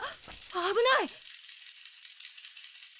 危ない！